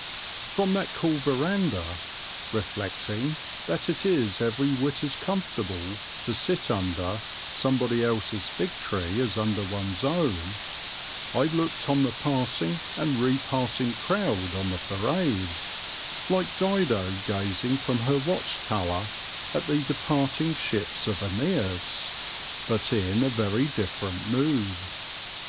From that cool veranda, reflecting that it is every whit as comfortable to sit under somebody else's fig tree as under one's own, I looked on the passing and re passing crowd on the parade, like Dido gazing from her watch tower at the departing ships of Æneas, but in a very different mood.